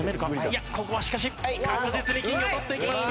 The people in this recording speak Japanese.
いやここはしかし確実に金魚をとっていきます。